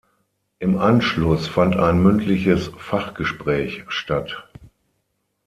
Im Anschluss fand ein mündliches Fachgespräch statt.